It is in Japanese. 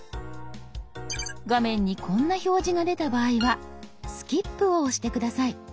画面にこんな表示が出た場合は「スキップ」を押して下さい。